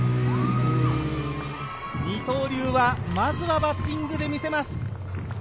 二刀流はまずはバッティングで見せます。